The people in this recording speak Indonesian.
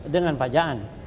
dengan pak jaan